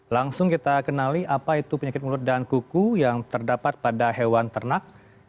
langsung kita kenali apa itu penyakit mulut dan kuku yang terdapat pada hewan ternak